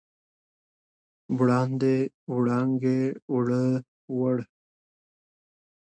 وړاندې، وړانګې، اووړه، وړ